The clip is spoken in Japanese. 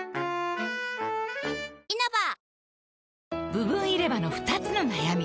部分入れ歯の２つの悩み